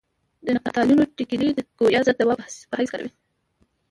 د نفتالینو ټېکلې د کویه ضد دوا په حیث کاروي.